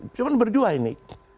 cuma berdua ini